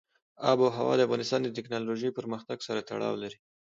آب وهوا د افغانستان د تکنالوژۍ پرمختګ سره تړاو لري.